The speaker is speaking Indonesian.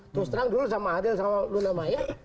terus terang dulu sama adil sama luna maya